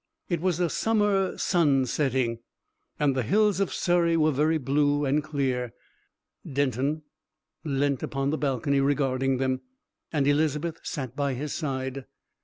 It was a summer sunsetting, and the hills of Surrey were very blue and clear. Denton leant upon the balcony regarding them, and Elizabeth sat by his side.